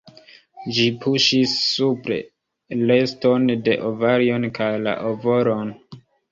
Ĝi puŝis supre reston de ovarion kaj la ovolon.